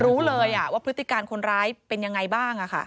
รู้เลยว่าพฤติการณ์คนร้ายเป็นอย่างไรบ้างอะค่ะ